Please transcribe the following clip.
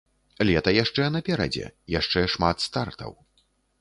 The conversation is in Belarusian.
Лета яшчэ наперадзе, яшчэ шмат стартаў.